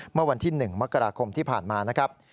เมื่อวันที่๑มกราคมที่ผ่านมานะครับ